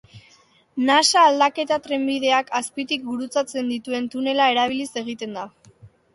Nasa aldaketa trenbideak azpitik gurutzatzen dituen tunela erabiliz egiten da.